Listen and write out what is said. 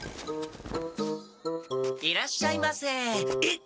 いらっしゃいませえっ！？